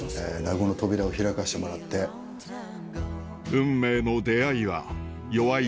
運命の出会いはよわい